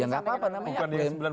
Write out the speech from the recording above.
ya enggak apa apa namanya klaim